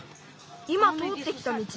いまとおってきたみち？